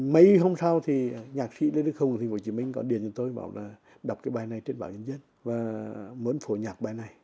mấy hôm sau thì nhạc sĩ lê đức hùng của tp hcm có điền cho tôi bảo là đọc cái bài này trên bảo nhân dân và muốn phổ nhạc bài này